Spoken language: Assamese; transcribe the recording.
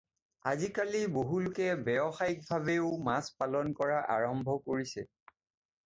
আজিকালি বহুলোকে ব্যৱসায়িকভাৱেও মাছ পালন কৰা আৰম্ভ কৰিছে।